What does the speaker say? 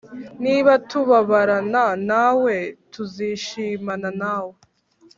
Niba tubabarana na we, tuzishimana nawe